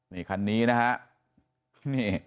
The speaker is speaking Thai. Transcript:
นี่คันนี้นะครับ